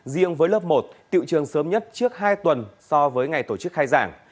riêng với lớp một tiệu trường sớm nhất trước hai tuần so với ngày tổ chức khai giảng